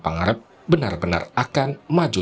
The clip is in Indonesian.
pangarep benar benar akan maju